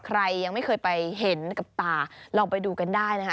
ใครยังไม่เคยไปเห็นกับตาลองไปดูกันได้นะคะ